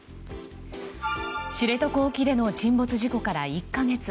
知床沖での沈没事故から１か月。